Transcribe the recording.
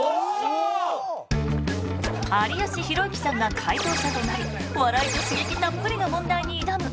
有吉弘行さんが解答者となり笑いと刺激たっぷりの問題に挑む